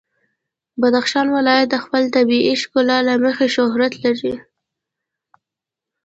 بدخشان ولایت د خپل طبیعي ښکلا له مخې شهرت لري.